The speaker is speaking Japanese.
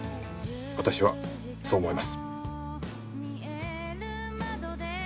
私はそう思います。